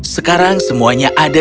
sekarang semuanya ada